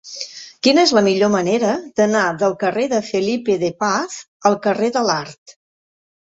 Quina és la millor manera d'anar del carrer de Felipe de Paz al carrer de l'Art?